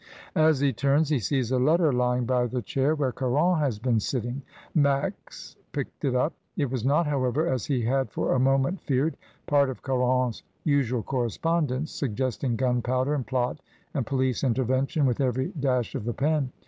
As he turns, he sees a letter lying by the chair where Caron had been sitting. Max picked it up. It was not, however, as he had for a moment feared, part of Caron's usual correspondence, sug gesting gunpowder and plot and police intervention with every dash of the pen.